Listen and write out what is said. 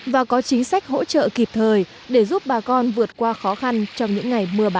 và có chính sách hỗ trợ kịp thời để giúp bà con vượt qua khó khăn trong những ngày mưa bão